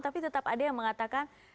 tapi tetap ada yang mengatakan